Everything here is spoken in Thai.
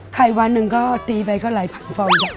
ไข่วันหนึ่งก็ตีไปก็ไหลผันฟัวด้วย